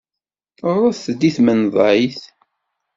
Ɣret-d i tmenḍayt.